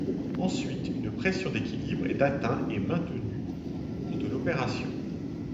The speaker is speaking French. Ensuite, une pression d'équilibre est atteint et maintenu au cours de l'opération.